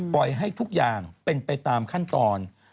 ให้ทุกอย่างเป็นไปตามขั้นตอน